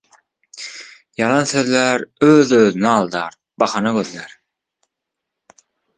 ýalan sözlär, öz özüni aldar, bahana gözlär.